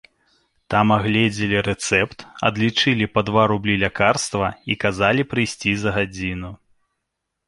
Там агледзелі рэцэпт, адлічылі па два рублі лякарства і казалі прыйсці за гадзіну.